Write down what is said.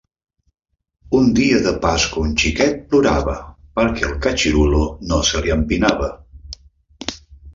Un dia de pasqua un xiquet plorava perquè el catxirulo no se li empinava.